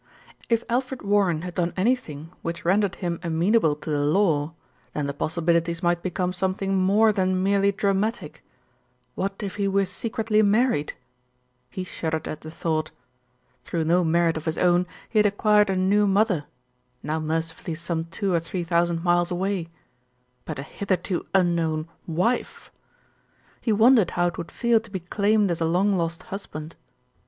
If Alfred Warren had done anything which rendered him amenable to the law, then the possibilities might become something more than merely dramatic. What if he were secretly married? He shuddered at the thought. Through no merit of his own, he had acquired a new mother, now mercifully some two or three thousand miles away; but a hitherto unknown "wife !" He won dered how it would feel to be claimed as a long lost husband.